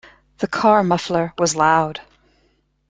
The car muffler was loud.